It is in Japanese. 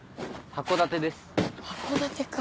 函館か。